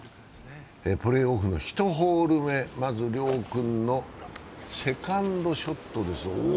プレーオフの１ホール目、まず遼君のセカンドショットです。